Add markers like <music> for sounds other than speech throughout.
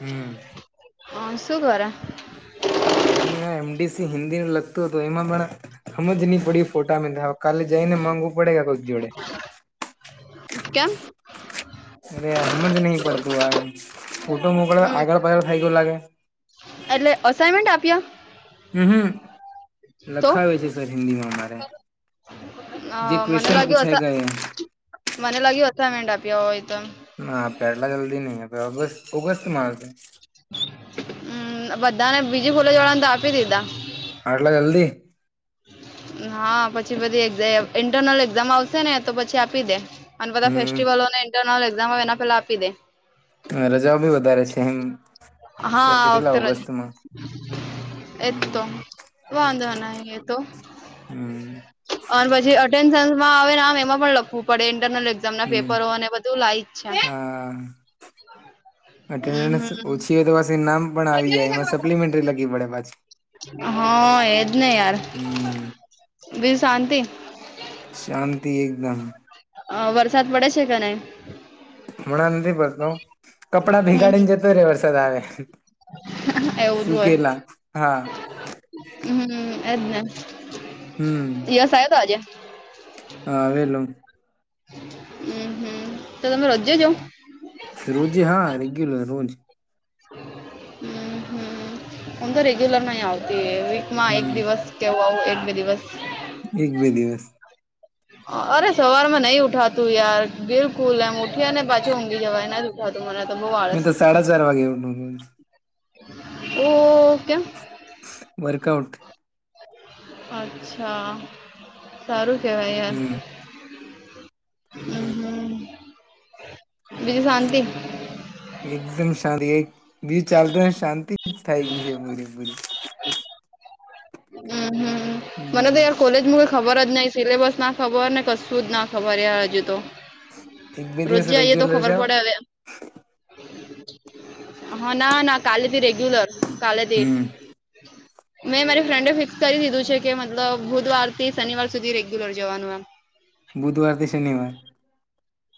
હમ હ શું કર? કંઈને આ એમ. ડી. સી. હિન્દીને લગતું હતું એમાં પણ સમજ ની પડી ફોટા તો કાલે જઈને માગવું પડે કોઈ જોડે કેમ? અરે હમજ નહીં પડતું આ એમ ફોટો મોકલ હમ આગળ પાગળ થઇ ગયું લાગે એટલે અસાઈનમેન્ટ આપ્યા હ હમ્મ તો લખાવે છે સર હિન્દીમાં અમારે અ જેે મને ક્વેશ્ચન લાગ્યું પૂછાય અસા ગયા મને લાગી અસાઇમેન્ટ આપ્યા હોય તો ના પેલા જલ્દી નહીં આપે ઓગ ઓગસ્ટ મા હમ્મ બધાને બીજી કોલેજ વાળાને તો આપી દીધા આટલા જલ્દી હા પછી બધી એક્ઝ ઇન્ટરનલ એક્ઝામ આવશે ને તો પછી આપી દે અને બધા હમ ફેસ્ટિવલોને ઇન્ટરનલ એક્ઝામ એના પેલા આપી દે. રજાઓ ભી વધારે છે <unintelligible> હા સર આ કેટલા વખતે નથી ઓગસ્ટમાં એ હમ તો વાંધો નઈ એ તો હમ અને પછી અટેન્ન્સમાં આવે આમ એમાં પણ લખવું પડે ઇન્ટરનલ એક્ઝ ઝામ ના હમ પેપરો અને બધું લાઈ જ છે. હા હમ અટેન્ડન્સ હમ ઓછી હોય તો પાછી નામ પણ આવી મજા જાય નહી એમાં કરવા. સપ્લિમેન્ટરી લાગી પડે પાછી હા એજ ને યાર હમ બીલ શાંતિ શાંતિ એકદમ. અ વરસાદ પડે છે કે નઈ હમણા નથી પડતો કપડા હમ ભીગાડીને જતો રે વરસાદ આવે એવું જ હોય સુકેલા હા હમ્મ હમ્મ એજ ને હમ યસ આયો તોઆજે હા આવેલો હમ્મ હમ્મ તો તમે રોજે જો રોજે હા રેગ્યુલર રોજ હ હમ્મ હમ્મ હુંતો રેગ્યુલર નઈ આવતી વીકમાં એક હમ દિવસ કેહેવા આવું એક બે દિવસ. એક બે દિવસ. અરે સવાર માં નઈ ઉઠાતું યાર બિલકુલ એમ ઉઠી ને પાછી ઊઘી જવાય એના. મને તો બવ મેં આળસ તો સાડા ચાર વાગે ઉઠું રોજ છે ઓ ઓ કેમ. વર્કઆઉટ. અચ્છા સારું કેવાય યાર. હમ હમ હમ બીજુ શાંતી. એકદમ શાંતિ એક દીજ ચાલતોને શાંતિ જ થાય ગઈ છે પૂરેપૂરી. હમ હમ મને તો હમ યાર કોલેજ મુ. ખબર જ નહી સિલેબસ ના ખબર ને કશું જ ના ખબર યાર હજુ તો. એક બે દિવસ રોજે આઈએ તો રેગ્યુલર ખબર જાવ પડે હવે એમ. હા ના ના કાલે ભી રેગ્યુલર. કાલે દે હમ મે મારી. ફ્રેન્ડે ફિક્સ કરી દીધું છે કે મતલબ બુધવારથી શનિવાર સુધી રેગ્યુલર જવાનું એમ. બુધવાર થી શનિવાર.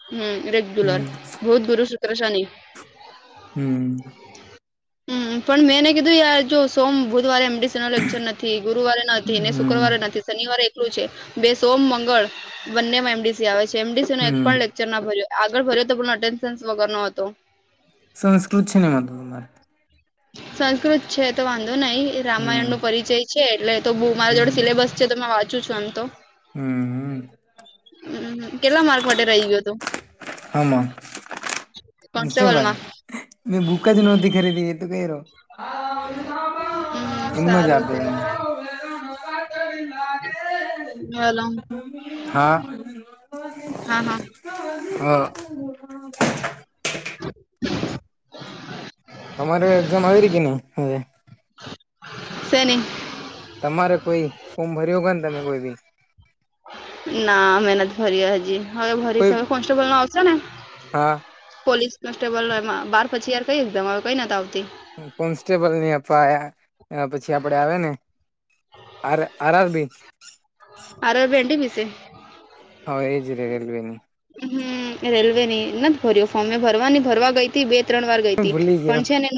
હમ રેગ્યુલર હમ બુધ ગુરુ શુક્ર શની. હમ. હમ પણ મેંને કીધું યાર જો સોમ બુધવારે એમ. નથી ગુરુવારે નથી ને હમ શુક્રવારે નથી શનિવારે. બે સોમ મંગળ બંને એમડીસી આવે છે એમડીસી નો એક હમ પણ લેક. ચર ભર્યો આગળ ભર્યો તો એટેન્ડન્સ વગર નો હતો. સંસ્કૃત સિનેમા તો. તમારે સંસ્કૃત છે તો વાંધો નહી રામાયણ હમ નો પરિચય છે એટલે તો બ મારા જોડે હમ સિલેબસ. જે તમે વાંચું છો આમ તો. હમ હમ કેટલા માર્ક માટે રહી ગયો તું. હમાં. કોન્સ્ટેબલમાં મેં બૂક જ નહોતી ખરીદી એ તું ક રહો. હમ એમ જ સારું આપેલ ચાલ. <inaudible> હલો હા હા હા હ. <unintelligible> તમારે એક્ઝામ આવી રહી કે ને હ. સેની. તમારે કોઈ ફોર્મ ભર્યું કે ને તમે કોઈ બી. ના મે નથી ભરી હજી હવે ભરી કોઈ હવે કોન્સ્ટેબલ નું આવશે ને. હા પોલીસ કોન્સ્ટેબલ એમાં બાર પછી યાર કઈ એકદમ આવે કઈ નથી આવતી. કોન્સ્ટેબલ ની આપવા આયા પછી આપડે આવે ને. R RRB. R RB NTPC. હા એજ રેલવેની. હમ રેલવે ની નથી ભર્યો ફોર્મે ભરવાની ભરવા ગઈ. થી બે ત્રણ વાર ગઈ હતી ભૂલી ગયો પણ છે ને.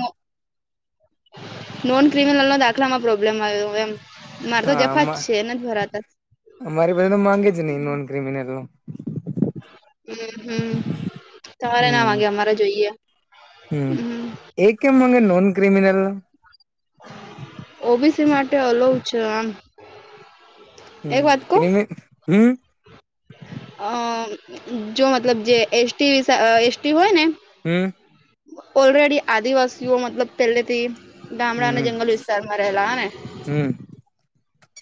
નોન ક્રિમિનલ નો દાખલામાં પ્રોબ્લેમ આવ્યો એમ મારે તો હા જફા જ અમા- છે નથી ભરાતા. અમારી પાસે તો માંગે જ નહી નોન ક્રિમિનલ નો. હમ હમ સવારે ના હમ વાગે અમારે જોઈએ. હમ એ કેમ માંગે નોન ક્રિમિનલ ને. ઓબીસી માટે હળવાશેફ આમ હમ એક વાત કહું. ક્રિમિ હમ. અ જો મતલબ જે એસટી વિ એસટી હોય ને. હમ. ઓલરેડી આદિવાસીઓ મતલબ પહેલેથી. ગામડા અને હમ જંગલ વિસ્તારમાં રહેલા હ ને. હમ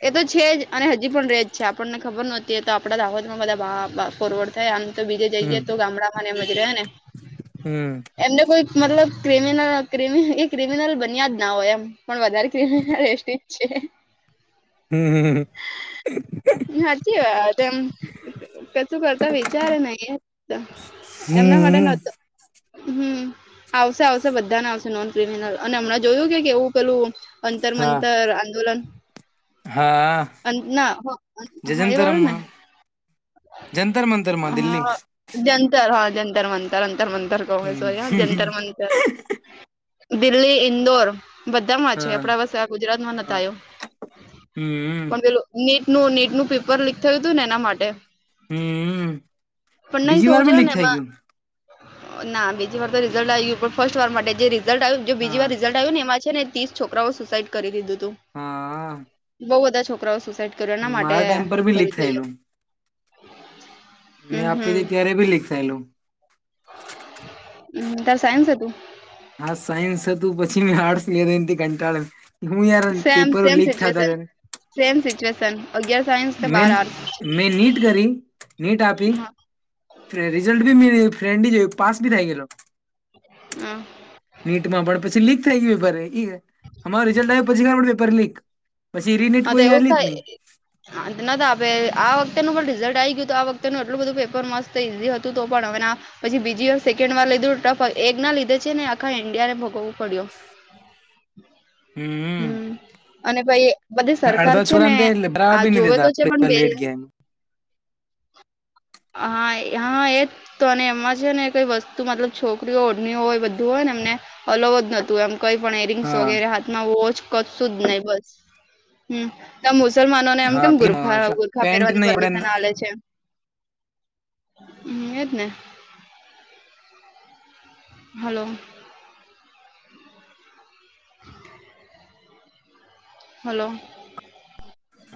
એ તો છે જ અને હજી પણ રજ છે આપણને ખબર નહોતી એ તો આપડા દાહોદ બધા ફોરવર્ડ થાય આમ તો બીજે હમ જઈએ તો ગામડામાંને એમજ રહે ને. હમ એમને કોઈ મતલબ ક્રિમિનલ એ ક્રિમિનલ બન્યા જ ના હોય એમ! પણ વધારે કમ રસ્ટી જ છે. હમ હાચી વાત એમ કશું કરતો વિચારે નને એમના માટે હમ નહતો. હમ આવશે આવશે બધાને આવશે નોન ક્રિમિનલ અને હમણાં જોયું કે એવું પેલું. અંતર હા મંતર આંદોલન. હા ના જે હ એ વાળું ને. જંતરમાં જંતર મંતર માં દિલ્હી. હા જંતર હા જંતર મંતર અંતર મંતર કહંગ્રેસ વાગ્યા જંતર હમ મંતર. દિલ્હી ઇંદોર. બધામાં છે હા આપડા વસે આ ગુજરાત માં નતા આવ્યો હમ પણ પેલો. નેટ નું નેટનું પેપર લીક થયું હતું ને એના માટે. હમ પણ નહી બીજી વાર થવું બી જોઈએ લીક ને થાય એમાં ગયું ના બીજી વાર તો રિઝલ્ટ આવ્યું પણ ફર્સ્ટ વાર માટે જે રિઝલ્ટ આવ બીજી હા વાર રઝલ્ટ ને એમાં છે ને ત્રીસ છોકરાઓ સુસાઈડ કરી દીધું તું હા બઉ બધા છોકરાઓ સુસાઈડ કર્યું એના માટે મારા ટાઈમ પર બી લીક કર્યું છે થયેલું મેં હમ આપી હમ હતીી ત્યારે ભી લીક થાયેલું હમ તાર સાઈન્સ તું હા સાયન્સ હતું પછી મેં આર્ટસ લીધો એથી કંટાળે હું યાર સેમ પેપરો સેમ લીક થયા ત સિચ્યુએશન ઘરે સેમ સિચુએશન અગિયાર સાયન્સ મેન બાર આર્ટ મેં નીટ કરી નીટ આપી હા રિઝલ્ટ બી મે ફ્રેન્લી જોયું પાસ ભી થાય ગેલો હમ નીટમાં પડે પછી લીક થઈ ગય પેપર એ અમારો રીઝલ્ટ આવ પછીડે પેપર લીક પછી રીનેટ કોઈએ આલીજ નહીં હા તો ન આપે આ વખતેનું પણ રિઝલ્ટ આ આવી ગયું તો આ વખતેનું એટલું બધું પેપર મસ્ત ઈઝી હતું તો પણ હવે પછી બીજી વાર સેકન્ડ વાર લીધું ટફ એક ના લીધે છે ને આખા ઇન્ડિયા ને ભોગવું પડ્યો <inaudible> હમ અને પાઈ બધી સરકાર અડધા છે ને છોરાને તે ભરાવા આ બી નહી જોવે તો દેતા છે પણ બે લેટ ગયા એમ હા હા એ તો અને એમાં છે ને કઈ વસ્તુ મતલબ છોકરીઓ ઓરની હોય બધું હોય ને એમને અલવ જ નહતું એમ કઈ પણ એરિંગ્સ હા વગેરે હાથમાં વોચ કરશું જ નહીિ બસ હમ તો મુસલમાનોને એમ હા કેમ ગુરખા પેલી ગુરખા પેન્ટ પેરવાની નહી પરવશ આપડે આવેે છે હમ એજ ને હલો <inaudible> હલો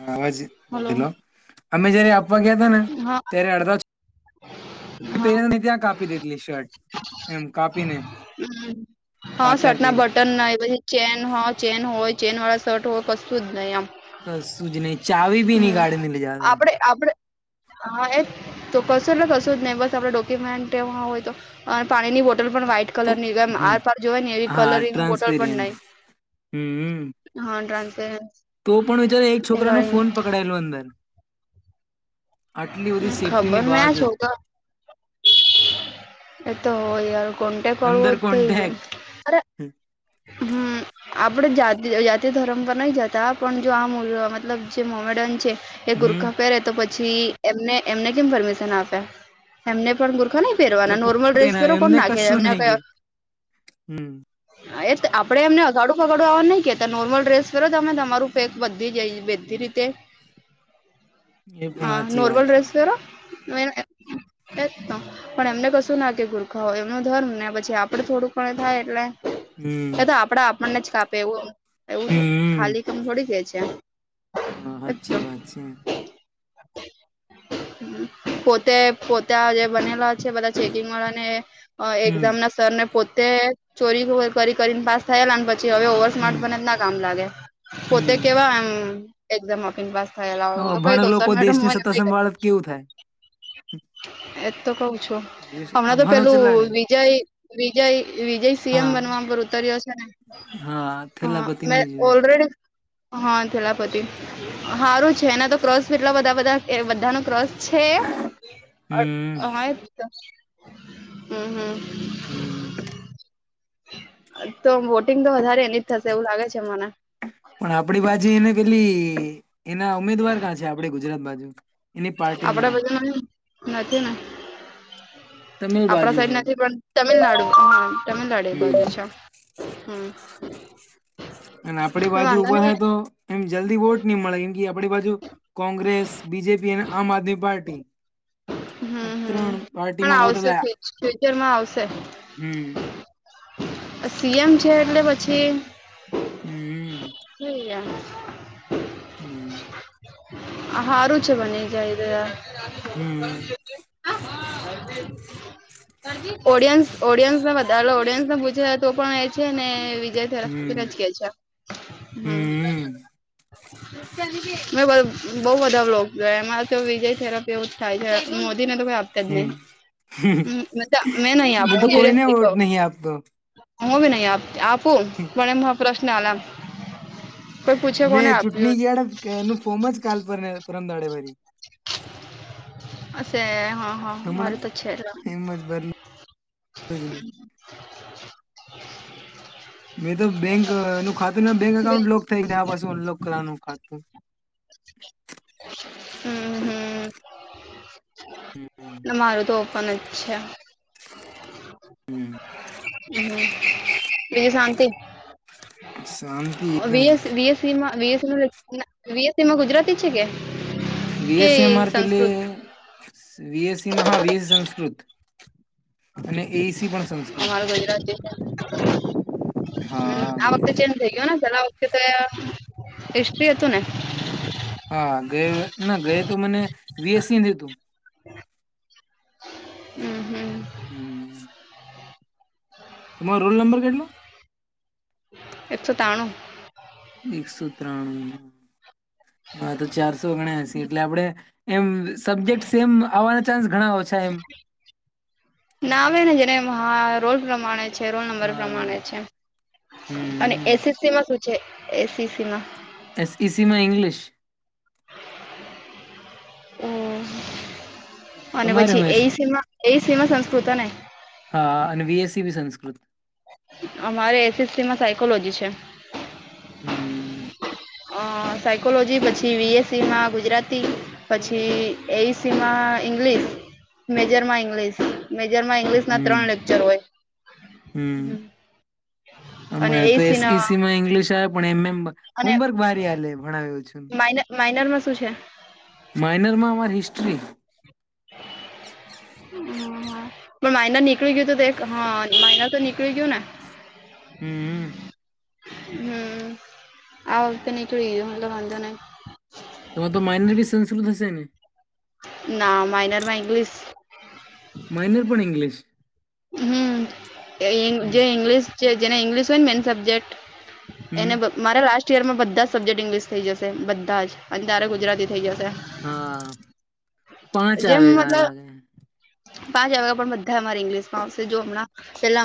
હાજ હલો બધલો અમે જયારે આપવા ગયા ત ને હા ત્યારે અડધા હા પેરેને ત્યાં કાપી દેધલી શર્ટ એમ કાપીને હ હા કાતરથી સટના એમ બટન ના એ ચેન હ ચેન હોય ચેન વાળા શર્ટ હોય કશું જ નહીં આમ બસ સુુંજ નહી ચાવી ભી નની ગાડીે લઈ જવા દે આપડ હા એ તો કશું એટલે કશું જ નહી બસ આપડે ડોક્યુમેન્ટ એમાં હોય તો અન પાણીની બોટલ પણ વાઈટ તો કલર નીગમ હમ આર પાર જોવા ને એવી હા કલરિંગ બોટલ પણ નઈ ટ્રાન્સપેરેન્ટ હમ હા <unintelligible> પકડાયેલુ અંદર આટલી બધી ખબર સેફ્ટીની ના બાવજુદ છોક તો એતો હોય યાર કોન્ટેક વાળું અંદર હોત થઇ ગયું કોન્ટેક <inaudible> આપડે જા જાતિ ધર્મ પર નહી જતા પણ જો આ મતલબ જે મોમેડન છે એ હમ ગુરખા પહેરે તો પછી એમને એમને કેમ પરમિશન આપે એમને પણ ગુરખા નહી તો પહેરવાના નોર્મલ પૂરું ડ્રેસ પહેરાવે, પહેરરો કોણ એમને ના લેય કશું એમને નહી કે હમ એ આપડે એમને અગાડું પગાડું આવા નહીં કેતા નોર્મલ ડ્રેસ પેરો તમે તમારું પેક બધી જ તી હમ રીતે એ પણ હા સાચી વાત નોર્મલ છે ડ્રેસ પેરો પણ એમને કશું ના કે ગુરખા હોય એમનો ધર્મ ને પછી આપડે થોડુંક પણે થાય એટલે હમ એ તો આપડા આપણને જ કાપે એવું એવું હમ ખાલી કમ થોડી જ છે હા હાચી વાત છે હમ પોતે પોત ત્યાં જે બનેલા છે બધા ચેકિંગ વાળા ને હમ એક્ઝામ ના સરને પોતે ચોરી કરીને પાસ થયેલા અને પછી હવે ઓવર હમ સ્માર્ટ ના કામ લાગે પોતે હમ કેવા એમ એકદમ ઓફીન પાસ થયેલા હું હવે તો કહી અભણ દઉં સર લોકો મેડમ દેશની સત્તા સંભાળત કેવું થાય <unintelligible> એતો કઉ છું હમણાં તો અભાણો પેલું ચલાડે વિજય વિજય વિજય સી એમ હા બનવા પર ઉતર્યો છે ને હા હ મે થેલાપતિમાં જ ઓલ રેડી હા થેલાપતિ હારું છે એના તો ક્રસ કે ટલા બધા બધા બધા નો ક્રસ છે હમ હમ હમ હમ તો વોટિંગ તો વધારે એની જ થશે એવું લાગે છે મને પણ આપડી બાજુ એને પેલી એના ઉમેદવાર ક્યાં છે આપડે ગુજરાત બાજુ એની પાર્ટી આપડા ના બધા નથી ને તમિલ આપડા બાજુ સાઈડ હે નથી પણ તમિલનાડુ હા તમિલનાડુ એ હમ બજુ છે હમ અને આપડી પણ બાજુ વાંધો ઊભા નહી થાય તો એમ જલ્દી વોટ ની મળે કેમ કે આપડી બાજુ કોંગ્રેસ બીજેપી અને આમ આદમી પાર્ટી હમ આ હમ ત્રણ પણ પાર્ટીમાં વોટ આવશે લા ફુચરમાં આવશે હમ સી એમ છે એટલે પછી હમ હમ હારું છે બની જાય ત આહા હમ ઓડિયન્સ ઓડિયન્સને વધારે ઓડિયન્સને પૂછે તો પણ એ છે ને વિજય <unintelligible> હમ કેય છે હમ મેં બધ બો બધા બ્લોગ જોય એમાં તો વિજય થેરપી એવું જ થાય છે મોદીને તો કોઈ આપ તજ હમ નહીં મવ નહીં આપું મેં તો હું કોઈને સિરિયસલી કહુ વોટ નહીં આપતો હું બી નઈ આપ આપું પણ પ્રશ્ન હલા કોઈ પૂછે કોને આપ્યું હોત કે એનું ફોમ જ કાલ પર પરંદ દાડે ભરી અશે હા હા હમણાં મારું તો છે. <inaudible> એમ જ ભરલું જ નહી મેં તો બેંક નું ખાતું બેંક બિલ અકાઉન્ટ લોક થાય ગયા આ પાછુ અનલોક કરવાનું ખાતું. હમ હમ મારું તો ઓપન જ છે. હમ હમ બીજું શાંતિ? શાંતિ એકદમ વએસ વીએસ <unintelligible> વીએસ માં ગુજરાતી છે કે વિ કે એસ એમા આર પેલી સંસ્કૃત વીએસસીમાં હ વિએસ સંસ્કૃત અને એઈસી પણ સંસ્કૃત અમારું ગુજરાતી છે હમ હા આ વખતે વીએસસી, ચેન્જ થઈ ગયો ને પેલા વખતે તો હીસ્ટ્રી હતું ને? હા ગય ના ગય તો મને વીએસસી તું હમ હમ હમ <inaudible> તમારો રોલ નંબર કેટલો? એક સો તાણું. એકસો ત્રાણું માર તો ચારસો ઓગણાએસી એટલે આપડે એમ સબ્જેક્ટ સેમ આવવાના. ચાન્સ ઘણા ઓછા એમ ના આવે ને જેને હ રોલ પ્રમાણે છે રોલ નંબર હા રોલ પ્રમાણે છે અને હમ એસીસી માં શું છે એસીસી માં. એસઇસી માં ઇંગ્લિશ. ઓ અને તમારે હું પછી એઈ એસી સીમા? એ સીમા સંસ્કૃત હને? હા અને વીએસસી બી સંસ્કૃત અમારે એસએસસીમાં સાયકોલોજી છે. હમ અ સાયકોલોજી પછી વીએસસી માં ગુજરાતી પછી એઈસી માં ઇંગ્લિશ મેજર માં ઇંગ્લિશ મેજર માં ઇંગ્લિશ ના હમ ત્રણ લેક્ચર હોય. હમ અને અમારે તો એઈસીના એસઇસી માં ઇંગ્લિશ આવે પણ એમ એમ અને હોમવર્ક ભારી હાલે ભણાવ્યો છું માઇન માઇનર માં શું છે? માઇનરમાં અમાર હિસ્ટ્રી. <inaudible> હમ હમ પણ માયનર નીકળી ગયો તો હા માયનર તો નીકળી ગયું ને? હમ હમ આ વકતે નીકળી ગયું એટલે વાંધો નહીં. તો તો માઇનર બી સંસ્કૃત હશે ને. ના માઇનરમાં ઇંગ્લીશ. માઇનર પણ ઇંગ્લિશ. હમ જે ઇંગલ હમ જે ઇંગ્લશ જેને ઈંગ્લિશ હોય ને મેન સબ્જેક્ટ હમ એના બ મારા લાસ્ટ યરમાં બધા જ સબ્જેક્ટ ઇંગ્લિશ થઈ જશે બધા જ અને તારે ગુજરાતી થઇ જશે. હા પાંચ જેમ આવેગા લાગે. મતલબ પાંચ હવે પણ બધા અમારે ઇંગ્લિશ માં આવશે જો હમણા પેલા